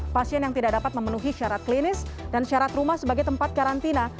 pasien yang tidak dapat memenuhi syarat klinis dan syarat rumah sebagai tempat karantina